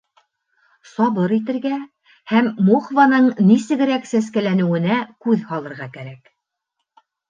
Сабыр итергә һәм мохваның нисегерәк сәскәләнеүенә күҙ һалырға кәрәк.